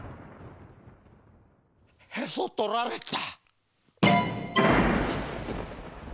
へそとられた。